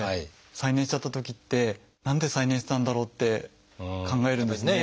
再燃しちゃったときって何で再燃したんだろうって考えるんですね。